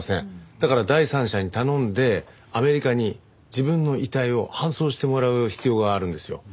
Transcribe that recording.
だから第三者に頼んでアメリカに自分の遺体を搬送してもらう必要があるんですよ。